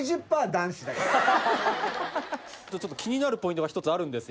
気になるポイントが１つあるんですよ。